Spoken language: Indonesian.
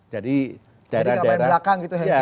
jadi ga main belakang gitu